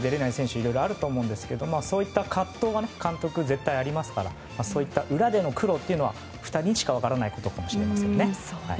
いろいろあると思うんですがそういった葛藤は監督には絶対ありますからそういった裏での苦悩というのは２人にしか分からないことかもしれませんね。